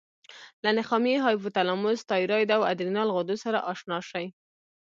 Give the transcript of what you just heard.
له نخامیې، هایپوتلاموس، تایرایډ او ادرینال غدو سره آشنا شئ.